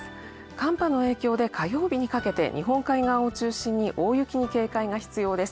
寒波の影響で火曜日にかけて日本海側を中心に大雪に警戒が必要です。